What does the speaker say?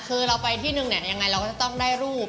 คือเราไปที่นึงเนี่ยยังไงเราก็จะต้องได้รูป